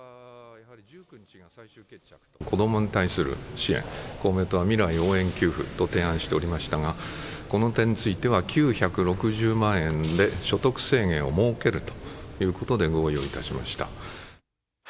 子どもに対する支援、公明党は未来応援給付と提案しておりましたが、この点については、９６０万円で所得制限を設けるということで合意をいたしました。